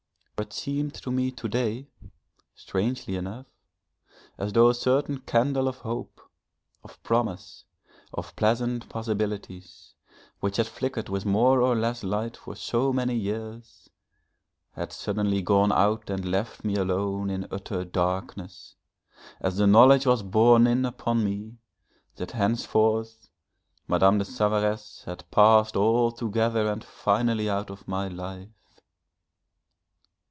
For it seemed to me to day, strangely enough, as though a certain candle of hope, of promise, of pleasant possibilities, which had flickered with more or less light for so many years, had suddenly gone out and left me alone in utter darkness, as the knowledge was borne in upon me that henceforth Madame de Savaresse had passed altogether and finally out of my life.